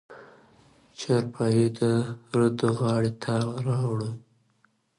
چارپايي يې د رود غاړې ته راوړه.